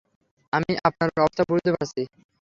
আমি আপনার অবস্থা বুঝতে পারছি।